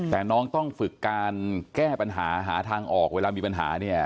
แต่น้องต้องฝึกการแก้ปัญหาหาทางออกเวลามีปัญหาเนี่ย